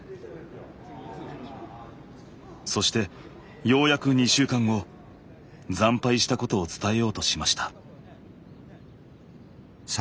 そしてようやく２週間後惨敗したことを伝えようとしました。